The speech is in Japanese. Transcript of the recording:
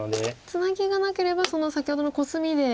ツナギがなければその先ほどのコスミで。